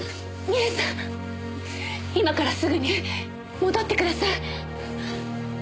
今からすぐに戻ってください！